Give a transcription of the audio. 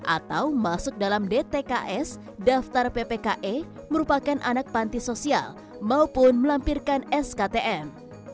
atau masuk dalam dtks daftar ppke merupakan anak panti sosial maupun melampirkan sktm